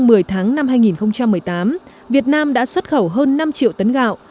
thời tháng năm hai nghìn một mươi tám việt nam đã xuất khẩu hơn năm triệu tấn gạo